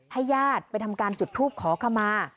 ญาติไปทำการจุดทูปขอขมา